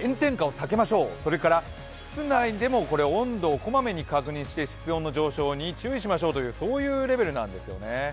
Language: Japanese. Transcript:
炎天下を避けましょう、室内でも温度をこまめに確認して室温の上昇に注意しましょうという、そういうレベルなんですよね。